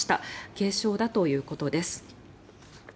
軽症だということです。